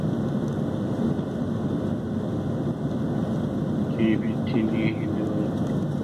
তিনি বৃত্তি নিয়ে হিন্দু কলেজে ভর্তি হন।